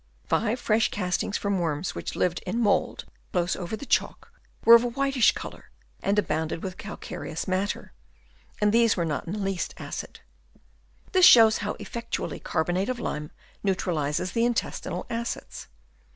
Five fresh castings from worms which lived in mould close over the chalk, were of a whitish colour and abounded with calcareous matter; and these were not in the least acid. This shows how effectually carbonate of lime neutralises the intestinal acids.